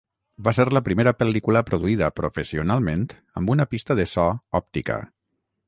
Va ser la primera pel·lícula produïda professionalment amb una pista de so òptica.